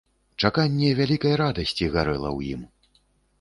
Чаканне вялікай радасці гарэла ў ім.